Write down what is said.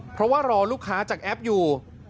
เพราะว่ารอลูกค้าจากแอปอยู่